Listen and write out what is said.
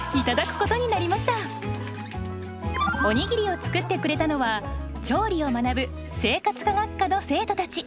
おにぎりを作ってくれたのは調理を学ぶ生活科学科の生徒たち。